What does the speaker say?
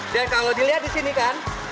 dan kalau dilihat disini kan